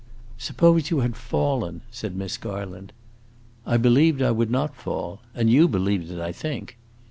"Suppose you had fallen," said Miss Garland. "I believed I would not fall. And you believed it, I think."